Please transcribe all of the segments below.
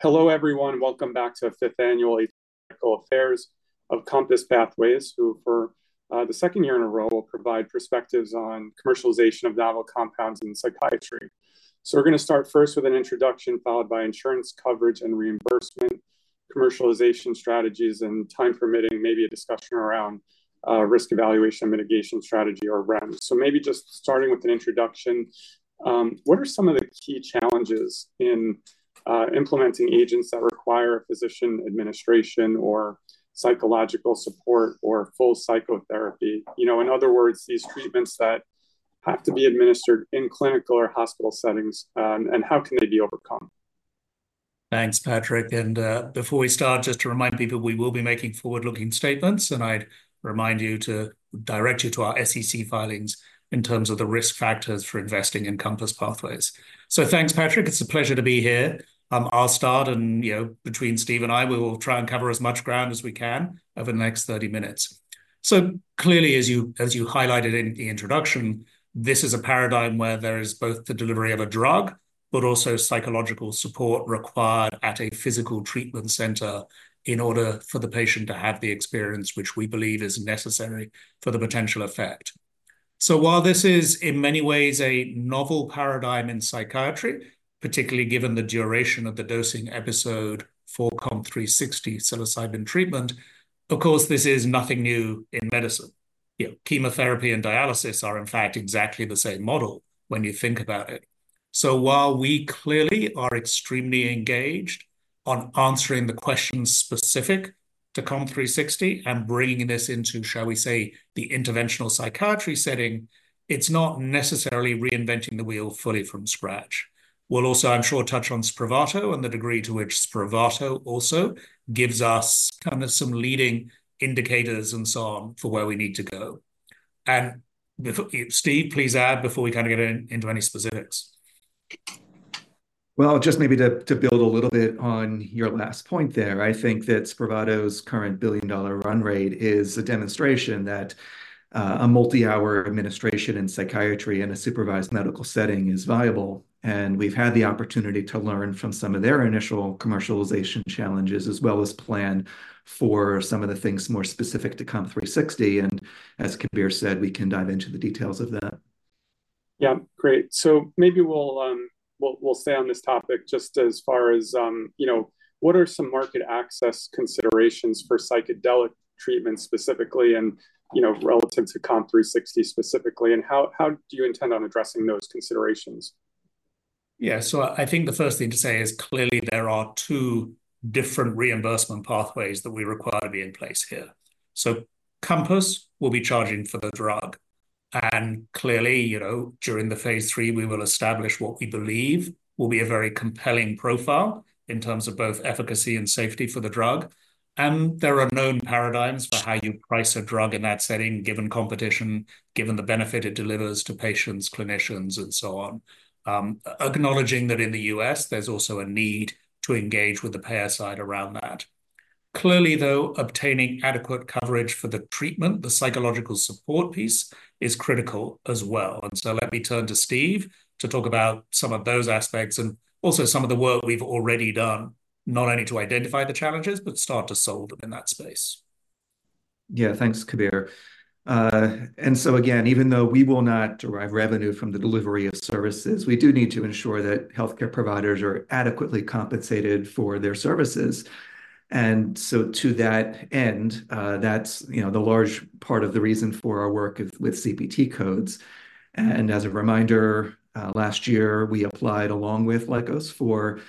Hello, everyone. Welcome back to the fifth annual Ethical Affairs of Compass Pathways, who for the second year in a row will provide perspectives on commercialization of novel compounds in psychiatry. So we're going to start first with an introduction, followed by insurance coverage and reimbursement, commercialization strategies, and time permitting, maybe a discussion around Risk Evaluation and Mitigation Strategy, or REM. So maybe just starting with an introduction, what are some of the key challenges in implementing agents that require a physician administration or psychological support or full psychotherapy? You know, in other words, these treatments that have to be administered in clinical or hospital settings, and how can they be overcome? Thanks, Patrick. And before we start, just to remind people, we will be making forward-looking statements, and I'd remind you to direct you to our SEC filings in terms of the risk factors for investing in Compass Pathways. So thanks, Patrick. It's a pleasure to be here. I'll start, and between Steve and I, we will try and cover as much ground as we can over the next 30 minutes. So clearly, as you highlighted in the introduction, this is a paradigm where there is both the delivery of a drug but also psychological support required at a physical treatment center in order for the patient to have the experience, which we believe is necessary for the potential effect. So while this is, in many ways, a novel paradigm in psychiatry, particularly given the duration of the dosing episode for COMP360 psilocybin treatment, of course, this is nothing new in medicine. Chemotherapy and dialysis are, in fact, exactly the same model when you think about it. So while we clearly are extremely engaged on answering the questions specific to COMP360 and bringing this into, shall we say, the interventional psychiatry setting, it's not necessarily reinventing the wheel fully from scratch. We'll also, I'm sure, touch on Spravato and the degree to which Spravato also gives us kind of some leading indicators and so on for where we need to go. And Steve, please add, before we kind of get into any specifics. Well, just maybe to build a little bit on your last point there, I think that Spravato's current billion-dollar run rate is a demonstration that a multi-hour administration in psychiatry in a supervised medical setting is viable. We've had the opportunity to learn from some of their initial commercialization challenges as well as plan for some of the things more specific to COMP360. As Kabir said, we can dive into the details of that. Yeah, great. So maybe we'll stay on this topic just as far as, you know, what are some market access considerations for psychedelic treatments specifically and relative to COMP360 specifically? And how do you intend on addressing those considerations? Yeah, so I think the first thing to say is clearly there are two different reimbursement pathways that we require to be in place here. So Compass will be charging for the drug. And clearly, you know, during the Phase III, we will establish what we believe will be a very compelling profile in terms of both efficacy and safety for the drug. And there are known paradigms for how you price a drug in that setting, given competition, given the benefit it delivers to patients, clinicians, and so on, acknowledging that in the U.S., there's also a need to engage with the payer side around that. Clearly, though, obtaining adequate coverage for the treatment, the psychological support piece is critical as well. Let me turn to Steve to talk about some of those aspects and also some of the work we've already done, not only to identify the challenges, but start to solve them in that space. Yeah, thanks, Kabir. And so again, even though we will not derive revenue from the delivery of services, we do need to ensure that healthcare providers are adequately compensated for their services. And so to that end, that's the large part of the reason for our work with CPT codes. And as a reminder, last year, we applied along with Lykos for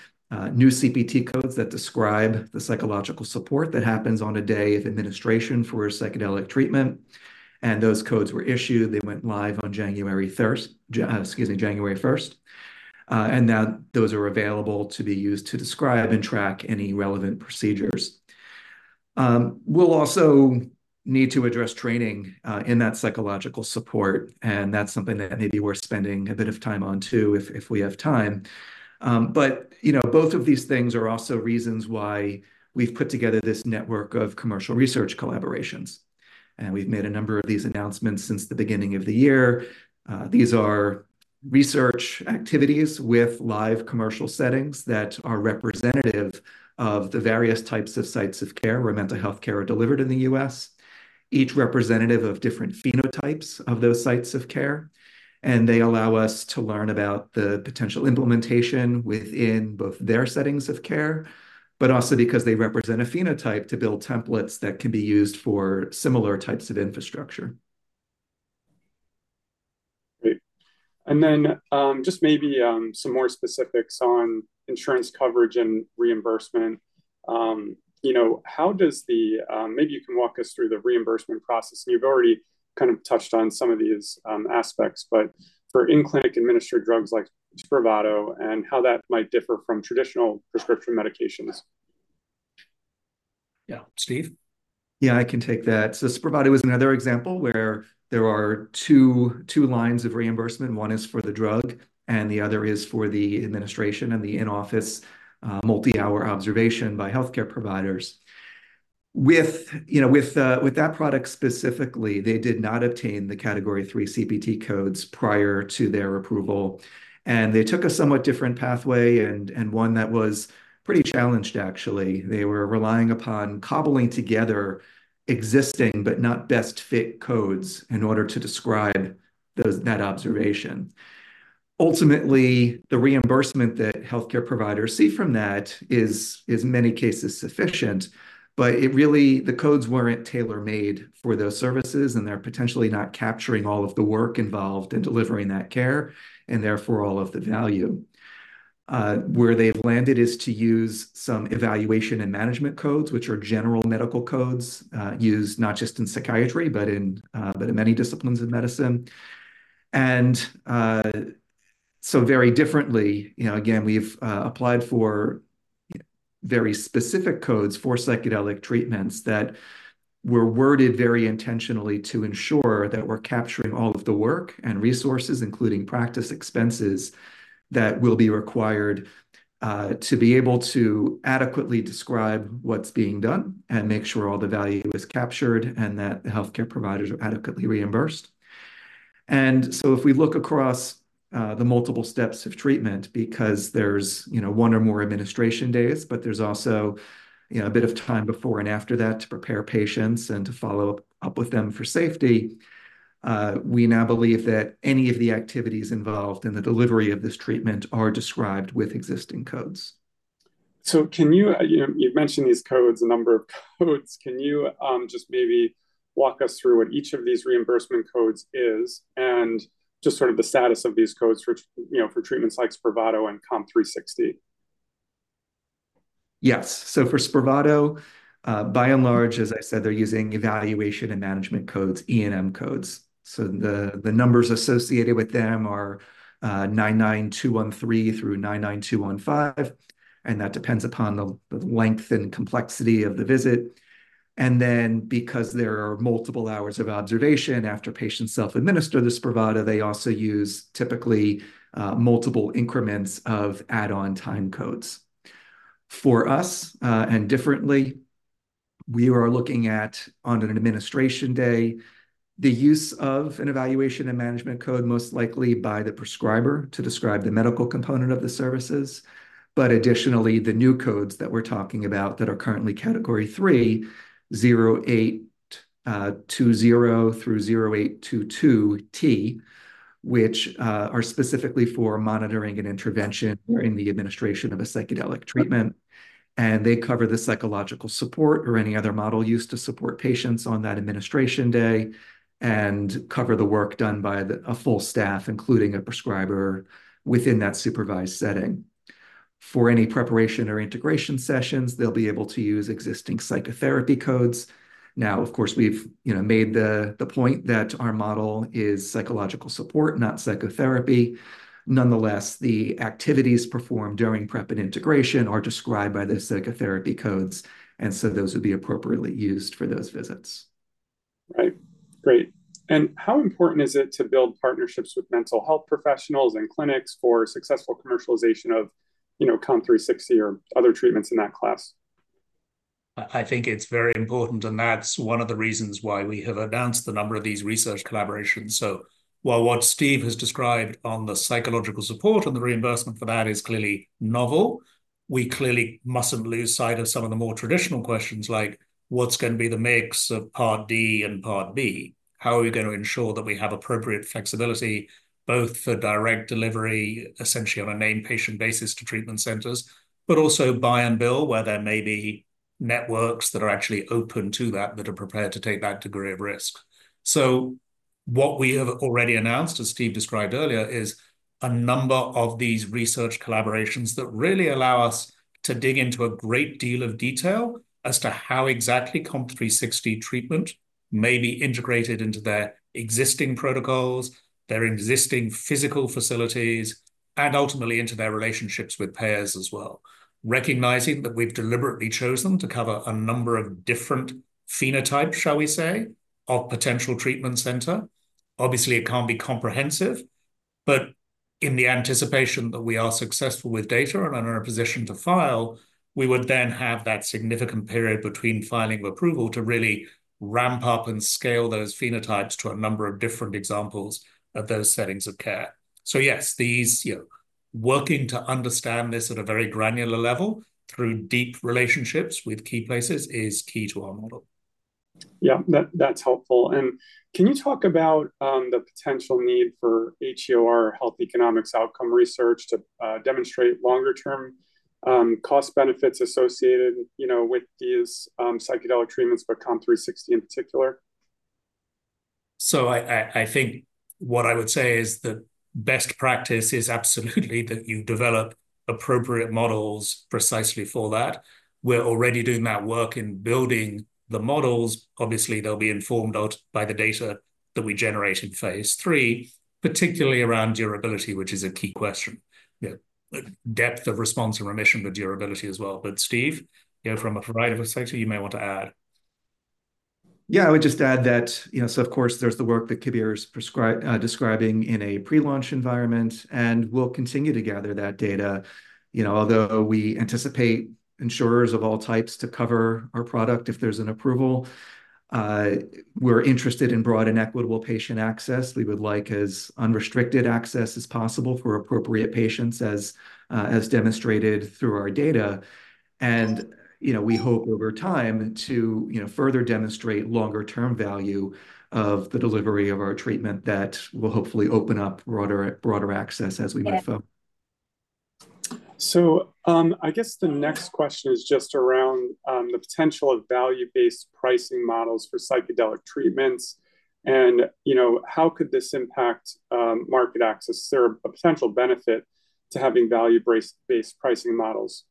new CPT codes that describe the psychological support that happens on a day of administration for psychedelic treatment. And those codes were issued. They went live on January 1st. And now those are available to be used to describe and track any relevant procedures. We'll also need to address training in that psychological support. And that's something that maybe we're spending a bit of time on too if we have time. But both of these things are also reasons why we've put together this network of commercial research collaborations. We've made a number of these announcements since the beginning of the year. These are research activities with live commercial settings that are representative of the various types of sites of care where mental health care are delivered in the U.S., each representative of different phenotypes of those sites of care. They allow us to learn about the potential implementation within both their settings of care, but also because they represent a phenotype to build templates that can be used for similar types of infrastructure. Great. And then just maybe some more specifics on insurance coverage and reimbursement. How does the, maybe you can walk us through the reimbursement process. And you've already kind of touched on some of these aspects, but for in-clinic administered drugs like Spravato and how that might differ from traditional prescription medications. Yeah, Steve? Yeah, I can take that. So Spravato is another example where there are two lines of reimbursement. One is for the drug, and the other is for the administration and the in-office multi-hour observation by healthcare providers. With that product specifically, they did not obtain the Category III CPT codes prior to their approval. They took a somewhat different pathway and one that was pretty challenged, actually. They were relying upon cobbling together existing but not best fit codes in order to describe that observation. Ultimately, the reimbursement that healthcare providers see from that is, in many cases, sufficient, but it really, the codes weren't tailor-made for those services, and they're potentially not capturing all of the work involved in delivering that care and therefore all of the value. Where they've landed is to use some Evaluation and Management codes, which are general medical codes used not just in psychiatry, but in many disciplines of medicine. And so very differently, again, we've applied for very specific codes for psychedelic treatments that were worded very intentionally to ensure that we're capturing all of the work and resources, including practice expenses that will be required to be able to adequately describe what's being done and make sure all the value is captured and that healthcare providers are adequately reimbursed. And so if we look across the multiple steps of treatment, because there's one or more administration days, but there's also a bit of time before and after that to prepare patients and to follow up with them for safety, we now believe that any of the activities involved in the delivery of this treatment are described with existing codes. You've mentioned these codes, a number of codes. Can you just maybe walk us through what each of these reimbursement codes is and just sort of the status of these codes for treatments like Spravato and COMP360? Yes. So for Spravato, by and large, as I said, they're using Evaluation and Management codes, E/M codes. So the numbers associated with them are 99213 through 99215, and that depends upon the length and complexity of the visit. And then because there are multiple hours of observation after patients self-administer the Spravato, they also use typically multiple increments of add-on time codes. For us, and differently, we are looking at, on an administration day, the use of an Evaluation and Management code most likely by the prescriber to describe the medical component of the services. But additionally, the new codes that we're talking about that are currently Category III, 0820 through 0822T, which are specifically for monitoring and intervention during the administration of a psychedelic treatment. They cover the psychological support or any other model used to support patients on that administration day and cover the work done by a full staff, including a prescriber within that supervised setting. For any preparation or integration sessions, they'll be able to use existing psychotherapy codes. Now, of course, we've made the point that our model is psychological support, not psychotherapy. Nonetheless, the activities performed during prep and integration are described by the psychotherapy codes, and so those would be appropriately used for those visits. Right. Great. And how important is it to build partnerships with mental health professionals and clinics for successful commercialization of COMP360 or other treatments in that class? I think it's very important, and that's one of the reasons why we have announced the number of these research collaborations. So while what Steve has described on the psychological support and the reimbursement for that is clearly novel, we clearly mustn't lose sight of some of the more traditional questions like, what's going to be the mix of Part D and Part B? How are we going to ensure that we have appropriate flexibility both for direct delivery, essentially on a named patient basis to treatment centers, but also buy and bill where there may be networks that are actually open to that that are prepared to take that degree of risk? So what we have already announced, as Steve described earlier, is a number of these research collaborations that really allow us to dig into a great deal of detail as to how exactly COMP360 treatment may be integrated into their existing protocols, their existing physical facilities, and ultimately into their relationships with payers as well. Recognizing that we've deliberately chosen to cover a number of different phenotypes, shall we say, of potential treatment center. Obviously, it can't be comprehensive, but in the anticipation that we are successful with data and are in a position to file, we would then have that significant period between filing of approval to really ramp up and scale those phenotypes to a number of different examples of those settings of care. So yes, working to understand this at a very granular level through deep relationships with key places is key to our model. Yeah, that's helpful. Can you talk about the potential need for HEOR, Health Economics and Outcomes Research, to demonstrate longer-term cost benefits associated with these psychedelic treatments, but COMP360 in particular? I think what I would say is the best practice is absolutely that you develop appropriate models precisely for that. We're already doing that work in building the models. Obviously, they'll be informed by the data that we generate in Phase III, particularly around durability, which is a key question. Depth of response and remission with durability as well. But Steve, from a provider perspective, you may want to add. Yeah, I would just add that, so of course, there's the work that Kabir's describing in a pre-launch environment, and we'll continue to gather that data. Although we anticipate insurers of all types to cover our product if there's an approval, we're interested in broad and equitable patient access. We would like as unrestricted access as possible for appropriate patients, as demonstrated through our data. We hope over time to further demonstrate longer-term value of the delivery of our treatment that will hopefully open up broader access as we move forward. I guess the next question is just around the potential of value-based pricing models for psychedelic treatments. How could this impact market access? Is there a potential benefit to having value-based pricing models?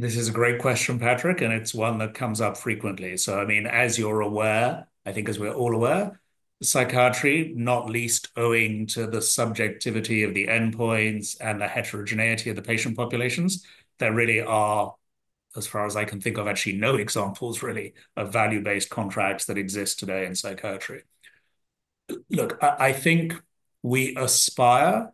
This is a great question, Patrick, and it's one that comes up frequently. So I mean, as you're aware, I think as we're all aware, psychiatry, not least owing to the subjectivity of the endpoints and the heterogeneity of the patient populations, there really are, as far as I can think of, actually no examples really of value-based contracts that exist today in psychiatry. Look, I think we aspire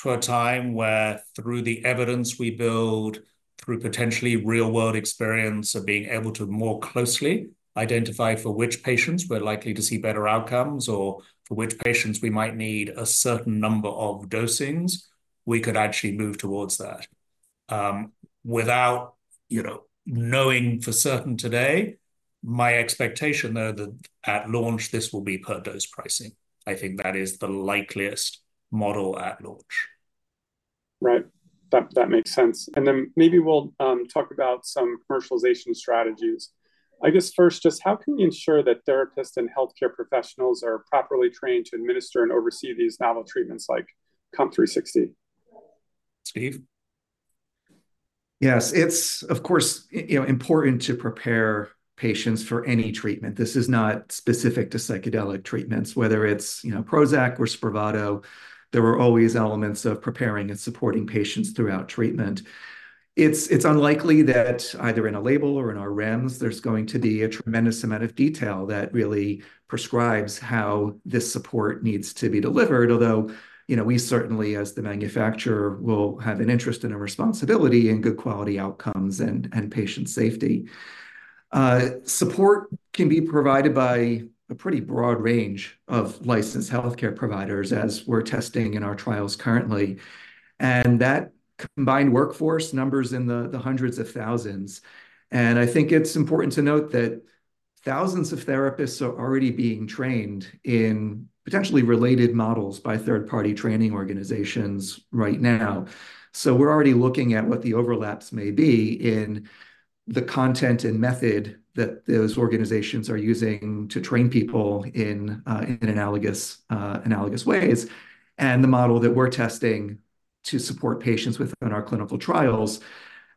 to a time where, through the evidence we build, through potentially real-world experience of being able to more closely identify for which patients we're likely to see better outcomes or for which patients we might need a certain number of dosings, we could actually move towards that. Without knowing for certain today, my expectation, though, that at launch, this will be per dose pricing. I think that is the likeliest model at launch. Right. That makes sense. And then maybe we'll talk about some commercialization strategies. I guess first, just how can we ensure that therapists and healthcare professionals are properly trained to administer and oversee these novel treatments like COMP360? Steve? Yes. It's, of course, important to prepare patients for any treatment. This is not specific to psychedelic treatments. Whether it's Prozac or Spravato, there were always elements of preparing and supporting patients throughout treatment. It's unlikely that either in a label or in our REMS, there's going to be a tremendous amount of detail that really prescribes how this support needs to be delivered, although we certainly, as the manufacturer, will have an interest and a responsibility in good quality outcomes and patient safety. Support can be provided by a pretty broad range of licensed healthcare providers, as we're testing in our trials currently. And that combined workforce numbers in the hundreds of thousands. And I think it's important to note that thousands of therapists are already being trained in potentially related models by third-party training organizations right now. We're already looking at what the overlaps may be in the content and method that those organizations are using to train people in analogous ways. The model that we're testing to support patients within our clinical trials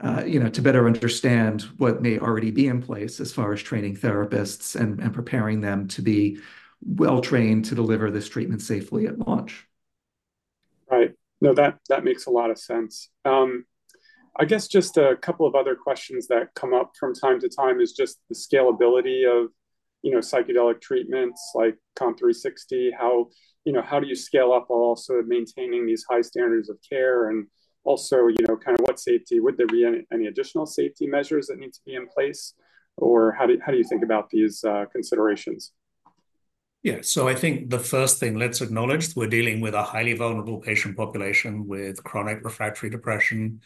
to better understand what may already be in place as far as training therapists and preparing them to be well-trained to deliver this treatment safely at launch. Right. No, that makes a lot of sense. I guess just a couple of other questions that come up from time to time is just the scalability of psychedelic treatments like COMP360. How do you scale up also maintaining these high standards of care? And also kind of what safety? Would there be any additional safety measures that need to be in place? Or how do you think about these considerations? Yeah. So I think the first thing, let's acknowledge that we're dealing with a highly vulnerable patient population with chronic refractory depression,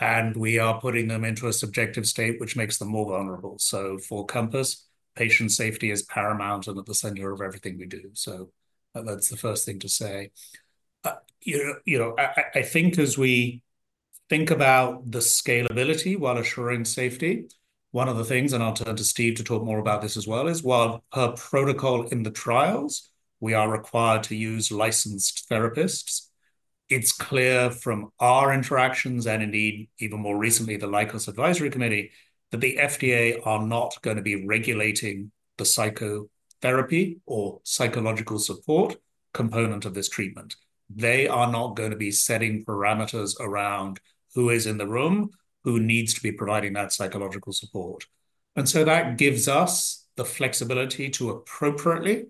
and we are putting them into a subjective state, which makes them more vulnerable. So for Compass, patient safety is paramount and at the center of everything we do. So that's the first thing to say. I think as we think about the scalability while assuring safety, one of the things, and I'll turn to Steve to talk more about this as well, is while per protocol in the trials, we are required to use licensed therapists, it's clear from our interactions and indeed, even more recently, the Lykos Advisory Committee, that the FDA are not going to be regulating the psychotherapy or psychological support component of this treatment. They are not going to be setting parameters around who is in the room, who needs to be providing that psychological support. And so that gives us the flexibility to appropriately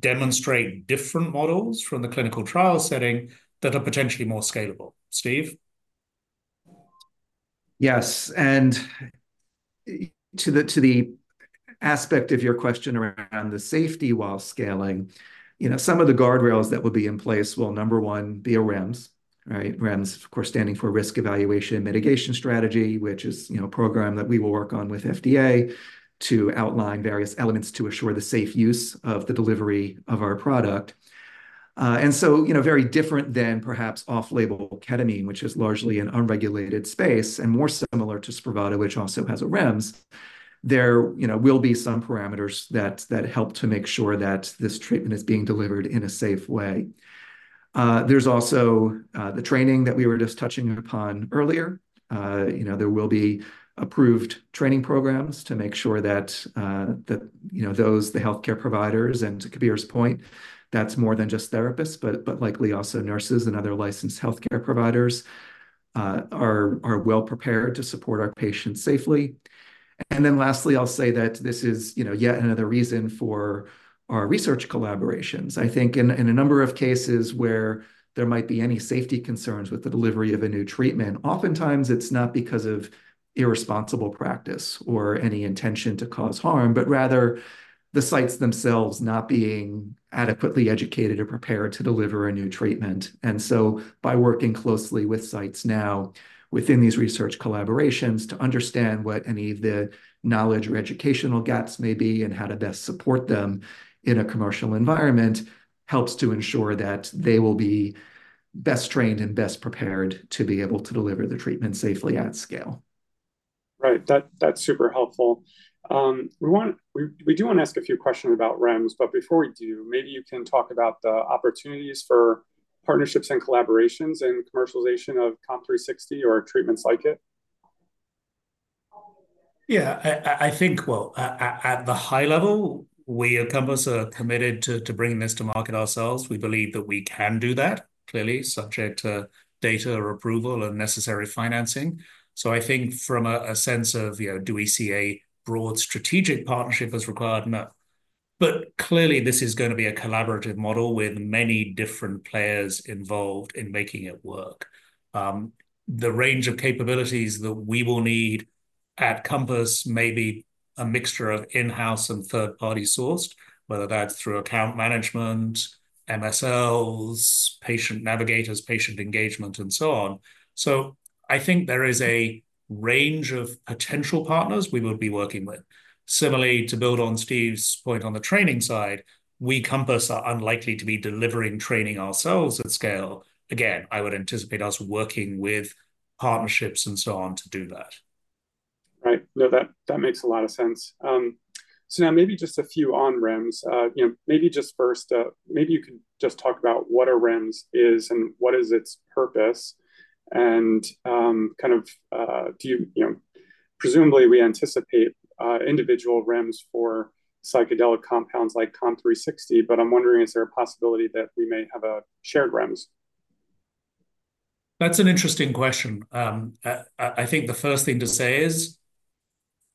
demonstrate different models from the clinical trial setting that are potentially more scalable. Steve? Yes. And to the aspect of your question around the safety while scaling, some of the guardrails that would be in place will, number one, be a REMS, right? REMS, of course, standing for Risk Evaluation and Mitigation Strategy, which is a program that we will work on with FDA to outline various elements to assure the safe use of the delivery of our product. And so very different than perhaps off-label ketamine, which is largely an unregulated space and more similar to Spravato, which also has a REMS, there will be some parameters that help to make sure that this treatment is being delivered in a safe way. There's also the training that we were just touching upon earlier. There will be approved training programs to make sure that those, the healthcare providers, and to Kabir's point, that's more than just therapists, but likely also nurses and other licensed healthcare providers are well-prepared to support our patients safely. And then lastly, I'll say that this is yet another reason for our research collaborations. I think in a number of cases where there might be any safety concerns with the delivery of a new treatment, oftentimes it's not because of irresponsible practice or any intention to cause harm, but rather the sites themselves not being adequately educated or prepared to deliver a new treatment. By working closely with sites now within these research collaborations to understand what any of the knowledge or educational gaps may be and how to best support them in a commercial environment helps to ensure that they will be best trained and best prepared to be able to deliver the treatment safely at scale. Right. That's super helpful. We do want to ask a few questions about REMS, but before we do, maybe you can talk about the opportunities for partnerships and collaborations and commercialization of COMP360 or treatments like it. Yeah. I think, well, at the high level, we at Compass are committed to bringing this to market ourselves. We believe that we can do that, clearly, subject to data or approval and necessary financing. So I think from a sense of, do we see a broad strategic partnership as required? No. But clearly, this is going to be a collaborative model with many different players involved in making it work. The range of capabilities that we will need at Compass may be a mixture of in-house and third-party sourced, whether that's through account management, MSLs, patient navigators, patient engagement, and so on. So I think there is a range of potential partners we will be working with. Similarly, to build on Steve's point on the training side, we Compass are unlikely to be delivering training ourselves at scale. Again, I would anticipate us working with partnerships and so on to do that. Right. No, that makes a lot of sense. So now maybe just a few on REMS. Maybe just first, maybe you could just talk about what a REMS is and what is its purpose and kind of presumably we anticipate individual REMS for psychedelic compounds like COMP360, but I'm wondering, is there a possibility that we may have a shared REMS? That's an interesting question. I think the first thing to say is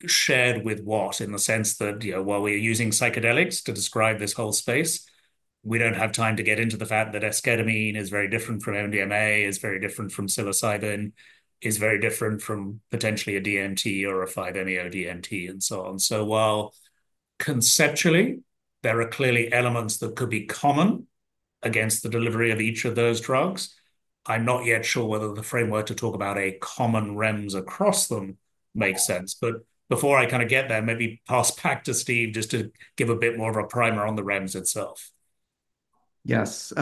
shared with what? In the sense that while we are using psychedelics to describe this whole space, we don't have time to get into the fact that esketamine is very different from MDMA, is very different from psilocybin, is very different from potentially a DMT or a 5-MeO-DMT, and so on. So while conceptually, there are clearly elements that could be common against the delivery of each of those drugs, I'm not yet sure whether the framework to talk about a common REMS across them makes sense. But before I kind of get there, maybe pass back to Steve just to give a bit more of a primer on the REMS itself. Yes.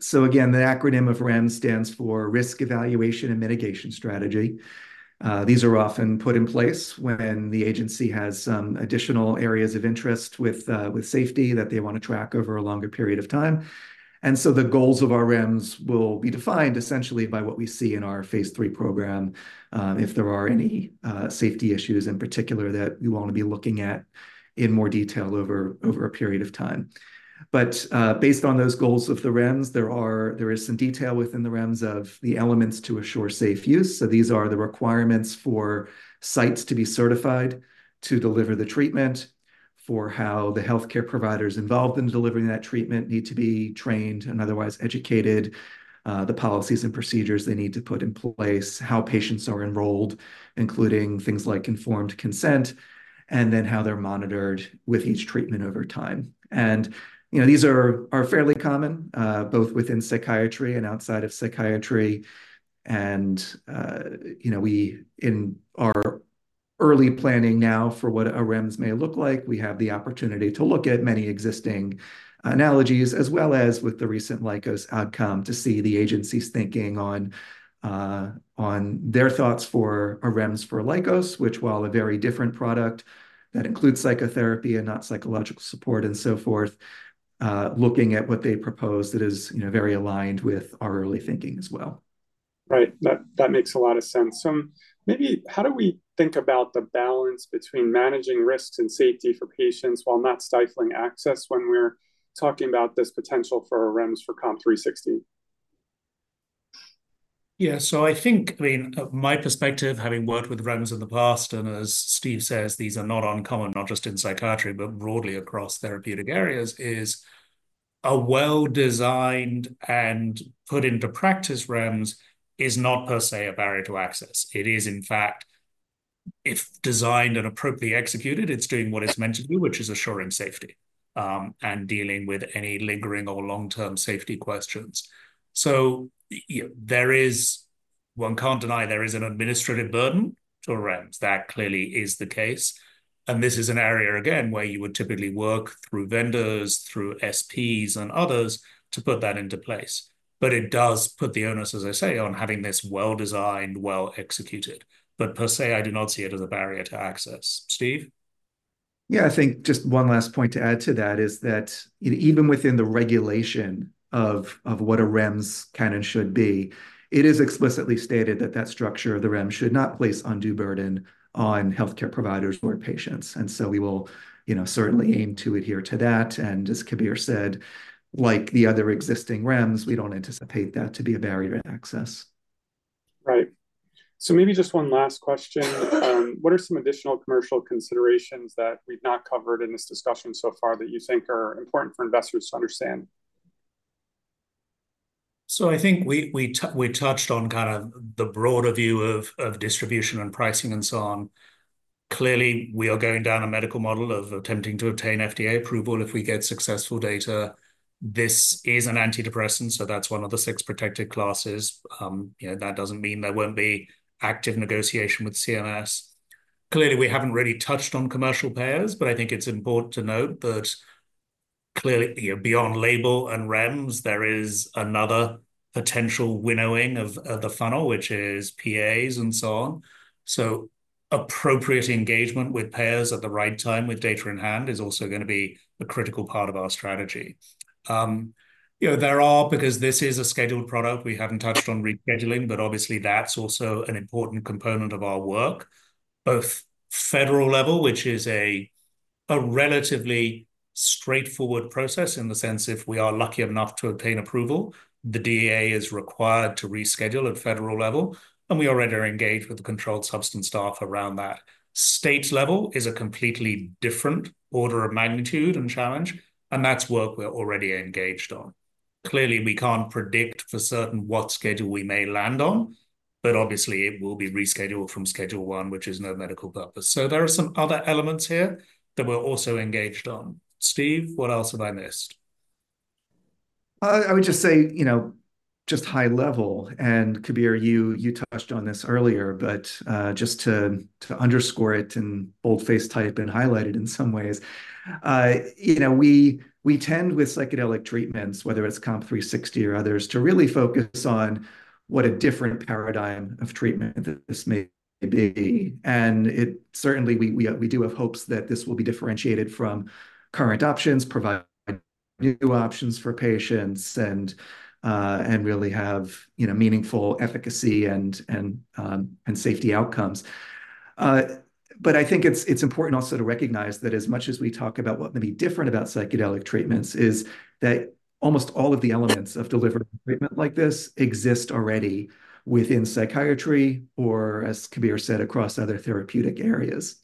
So again, the acronym of REMS stands for Risk Evaluation and Mitigation Strategy. These are often put in place when the agency has some additional areas of interest with safety that they want to track over a longer period of time. And so the goals of our REMS will be defined essentially by what we see in our Phase III program, if there are any safety issues in particular that we want to be looking at in more detail over a period of time. But based on those goals of the REMS, there is some detail within the REMS of the elements to assure safe use. These are the requirements for sites to be certified to deliver the treatment, for how the healthcare providers involved in delivering that treatment need to be trained and otherwise educated, the policies and procedures they need to put in place, how patients are enrolled, including things like informed consent, and then how they're monitored with each treatment over time. These are fairly common both within psychiatry and outside of psychiatry. In our early planning now for what a REMS may look like, we have the opportunity to look at many existing analogies, as well as with the recent Lykos outcome, to see the agency's thinking on their thoughts for a REMS for Lykos, which, while a very different product that includes psychotherapy and not psychological support and so forth, looking at what they propose that is very aligned with our early thinking as well. Right. That makes a lot of sense. So maybe how do we think about the balance between managing risks and safety for patients while not stifling access when we're talking about this potential for a REMS for COMP360? Yeah. So I think, I mean, my perspective, having worked with REMS in the past, and as Steve says, these are not uncommon, not just in psychiatry, but broadly across therapeutic areas, is a well-designed and put into practice REMS is not per se a barrier to access. It is, in fact, if designed and appropriately executed, it's doing what it's meant to do, which is assuring safety and dealing with any lingering or long-term safety questions. So one can't deny there is an administrative burden to REMS. That clearly is the case. This is an area, again, where you would typically work through vendors, through SPs and others to put that into place. But it does put the onus, as I say, on having this well-designed, well-executed. But per se, I do not see it as a barrier to access. Steve? Yeah. I think just one last point to add to that is that even within the regulation of what a REMS can and should be, it is explicitly stated that that structure of the REMS should not place undue burden on healthcare providers or patients. And so we will certainly aim to adhere to that. And as Kabir said, like the other existing REMS, we don't anticipate that to be a barrier to access. Right. So maybe just one last question. What are some additional commercial considerations that we've not covered in this discussion so far that you think are important for investors to understand? So I think we touched on kind of the broader view of distribution and pricing and so on. Clearly, we are going down a medical model of attempting to obtain FDA approval if we get successful data. This is an antidepressant, so that's one of the six protected classes. That doesn't mean there won't be active negotiation with CMS. Clearly, we haven't really touched on commercial payers, but I think it's important to note that clearly, beyond label and REMS, there is another potential winnowing of the funnel, which is PAs and so on. So appropriate engagement with payers at the right time with data in hand is also going to be a critical part of our strategy. There are, because this is a scheduled product, we haven't touched on rescheduling, but obviously, that's also an important component of our work, both federal level, which is a relatively straightforward process in the sense if we are lucky enough to obtain approval, the DEA is required to reschedule at federal level, and we already are engaged with the Controlled Substance Staff around that. State level is a completely different order of magnitude and challenge, and that's work we're already engaged on. Clearly, we can't predict for certain what schedule we may land on, but obviously, it will be rescheduled from Schedule I, which is no medical purpose. So there are some other elements here that we're also engaged on. Steve, what else have I missed? I would just say just high level. And Kabir, you touched on this earlier, but just to underscore it and boldface type and highlight it in some ways, we tend with psychedelic treatments, whether it's COMP360 or others, to really focus on what a different paradigm of treatment this may be. And certainly, we do have hopes that this will be differentiated from current options, provide new options for patients, and really have meaningful efficacy and safety outcomes. But I think it's important also to recognize that as much as we talk about what may be different about psychedelic treatments is that almost all of the elements of delivering treatment like this exist already within psychiatry or, as Kabir said, across other therapeutic areas.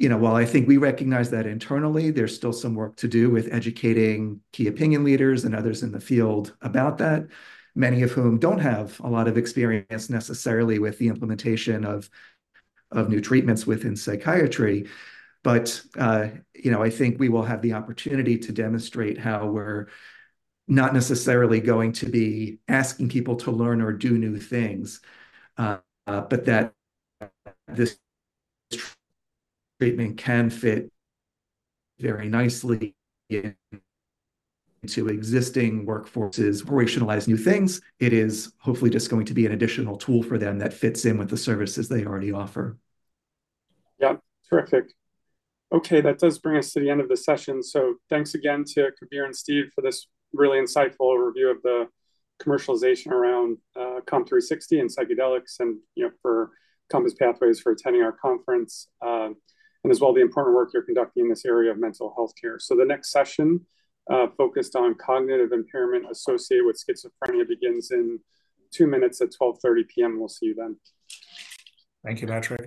While I think we recognize that internally, there's still some work to do with educating key opinion leaders and others in the field about that, many of whom don't have a lot of experience necessarily with the implementation of new treatments within psychiatry. But I think we will have the opportunity to demonstrate how we're not necessarily going to be asking people to learn or do new things, but that this treatment can fit very nicely into existing workforces. Operationalize new things, it is hopefully just going to be an additional tool for them that fits in with the services they already offer. Yeah. Terrific. Okay. That does bring us to the end of the session. So thanks again to Kabir and Steve for this really insightful review of the commercialization around COMP360 and psychedelics and for Compass Pathways for attending our conference and as well the important work you're conducting in this area of mental health care. So the next session focused on cognitive impairment associated with schizophrenia begins in two minutes at 12:30 P.M. We'll see you then. Thank you, Patrick.